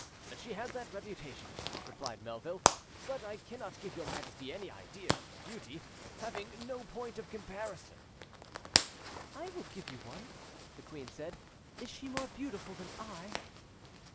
"She has that reputation," replied Melville; "but I cannot give your Majesty any idea of hex beauty, having no point of comparison." "I will give you one," the queen said. "Is she more beautiful than I?"